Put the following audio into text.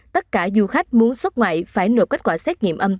tất cả du khách muốn xuất ngoại phải nộp kết quả xét nghiệm âm tính